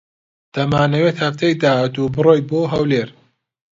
دەمانەوێت هەفتەی داهاتوو بڕۆیت بۆ ھەولێر.